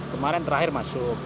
kemarin terakhir masuk